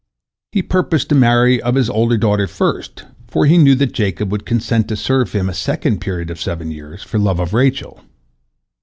He purposed to marry of his older daughter first, for he knew that Jacob would consent to serve him a second period of seven years for love of Rachel.